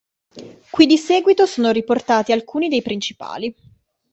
Qui di seguito sono riportati alcuni dei principali.